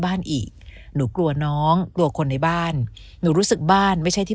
บ้านอีกหนูกลัวน้องกลัวคนในบ้านหนูรู้สึกบ้านไม่ใช่ที่